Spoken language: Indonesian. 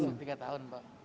masuk tiga tahun pak